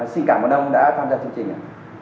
xin cảm ơn ông đã tham gia chương trình